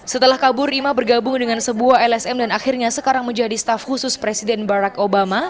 setelah kabur ima bergabung dengan sebuah lsm dan akhirnya sekarang menjadi staf khusus presiden barack obama